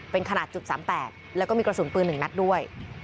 เป็นขนาด๓๘แล้วก็มีกระสุนปืน๑นัดด้วย